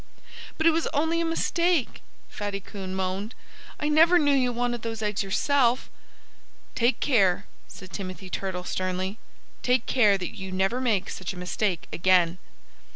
"But it was only a mistake!" Fatty Coon moaned. "I never knew you wanted those eggs yourself." "Take care " said Timothy Turtle sternly "take care that you never make such a mistake again."